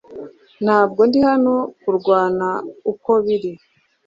Ntabwo ndi hano kurwana uko biri